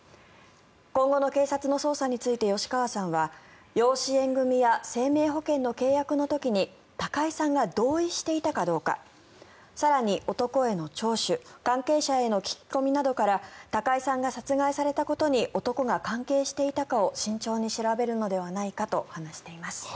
今後の警察の捜査について吉川さんは養子縁組や生命保険の契約の時に高井さんが同意していたかどうか更に男への聴取関係者への聞き込みなどから高井さんが殺害されたことに男が関係していたかを慎重に調べるのではないかと話しています。